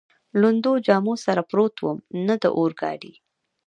لوندو جامو سره پروت ووم، نه د اورګاډي.